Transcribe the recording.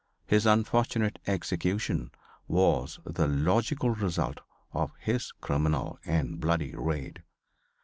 His unfortunate execution was the logical result of his criminal and bloody raid.